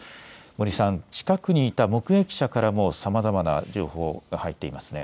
森さん、近くにいた目撃者からもさまざまな情報が入っていますね。